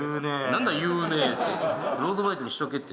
何だ言うねって。